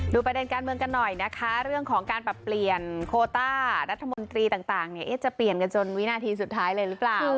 ประเด็นการเมืองกันหน่อยนะคะเรื่องของการปรับเปลี่ยนโคต้ารัฐมนตรีต่างจะเปลี่ยนกันจนวินาทีสุดท้ายเลยหรือเปล่า